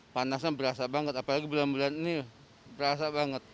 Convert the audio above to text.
panasnya berasa banget apalagi bulan bulan ini berasa banget